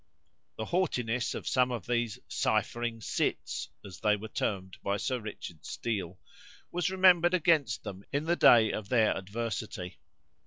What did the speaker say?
The haughtiness of some of these "cyphering cits," as they were termed by Sir Richard Steele, was remembered against them in the day of their adversity.